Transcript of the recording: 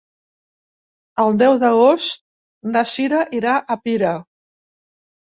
El deu d'agost na Sira irà a Pira.